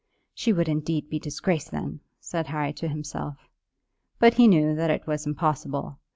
"She would indeed be disgraced then," said Harry to himself. But he knew that it was impossible.